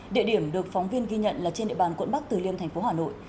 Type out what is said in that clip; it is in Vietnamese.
địa điểm được phóng viên ghi nhận là trên địa bàn quận bắc từ liêm tp hà nội